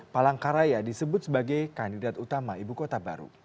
palangkaraya disebut sebagai kandidat utama ibu kota baru